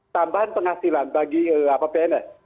tambahan penghasilan bagi pns